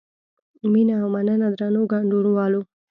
مینه او مننه درنو ګډونوالو.